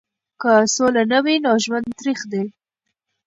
که سوله نه وي نو ژوند تریخ دی.